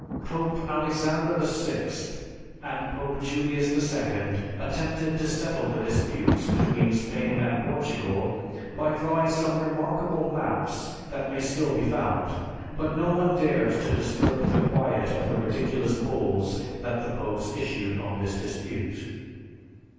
Pope Alexander VI and Pope Julius II attempted to settle the disputes between Spain and Portugal by drawing some remarkable maps that may still be found; but no one dares to disturb the quiet of the ridiculous bulls that the popes issued on this dispute.